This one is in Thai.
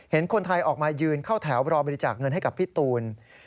เห็นคนไทยออกมายืนเข้าแถวรอบริจาคเงินให้กับพี่ตูน